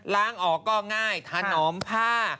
ล้างออกก็ง่ายถนอมผ้า